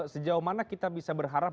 sejauh mana kita bisa berharap